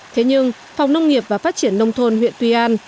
thế nhưng phòng nông nghiệp và phát triển nông thôn huyện tuy an